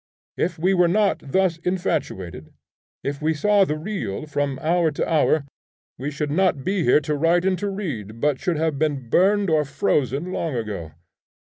If we were not thus infatuated, if we saw the real from hour to hour, we should not be here to write and to read, but should have been burned or frozen long ago.